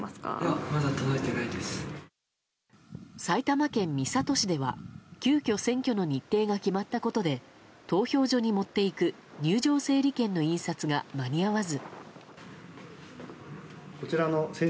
埼玉県三郷市では急きょ選挙の日程が決まったことで投票所に持っていく入場整理券の印刷が間に合わず。